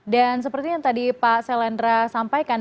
dan seperti yang tadi pak selendra sampaikan